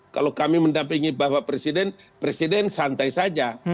kalau kami mendampingi bapak presiden presiden santai saja